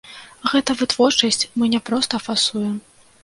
Гэта вытворчасць, мы не проста фасуем.